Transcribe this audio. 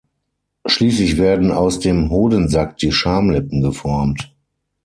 Schließlich werden aus dem Hodensack die Schamlippen geformt.